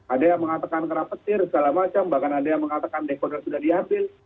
ada yang mengatakan kerah petir segala macam bahkan ada yang mengatakan dekoder sudah diambil